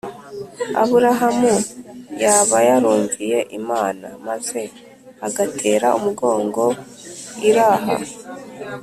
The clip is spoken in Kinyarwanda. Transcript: Aburahamu yaba yarumviye Imana maze agatera umugongo iraha